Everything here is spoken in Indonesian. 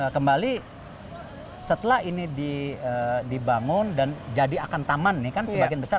kembali setelah ini dibangun dan jadi akan taman nih kan sebagian besar